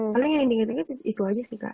paling yang diinget inget itu aja sih kak